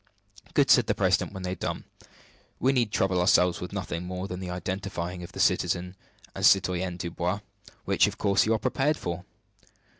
"Good," said the president, when they had done, "we need trouble ourselves with nothing more than the identifying of the citizen and citoyenne Dubois, which, of course, you are prepared for.